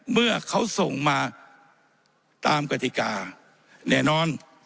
เมื่อเขาส่งมาตามกฎิกาแน่นอน